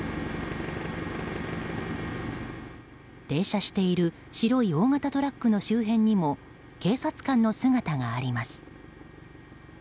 停車している白い大型トラックの周辺にも警察官の姿があります。